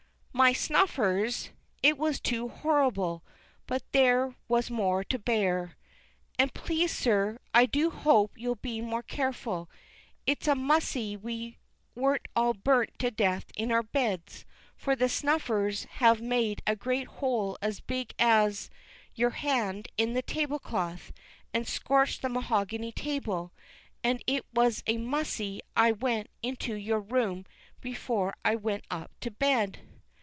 My snuffers! It was too horrible; but there was more to bear. "And please, sir, I do hope you'll be more careful. It's a mussy we warn't all burnt to death in our beds, for the snuffers have made a great hole as big as your hand in the tablecloth, and scorched the mahogany table; and it was a mussy I went into your room before I went up to bed."